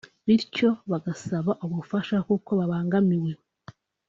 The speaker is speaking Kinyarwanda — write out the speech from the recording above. bityo bagasaba ubufasha kuko babangamiwe